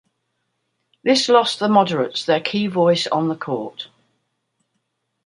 This lost the moderates their key voice on the court.